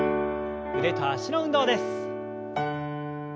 腕と脚の運動です。